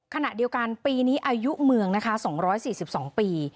ขณะเดียวกันปีนี้อายุเมืองนะคะ๒๔๒ปี